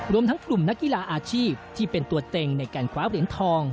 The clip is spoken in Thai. รวมทั้งกลุ่มนักกีฬาอาชีพที่เป็นตัวเต็งในการคว้าเหรียญทอง